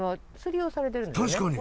確かに。